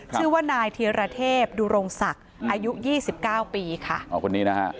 ชื่อว่านายเทียระเทพดุรงศักดิ์อายุ๒๙ปีค่ะ